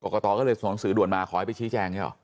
กลกะตอก็เลยสงสือด่วนมาขอให้ไปชี้แจงใช่หรอ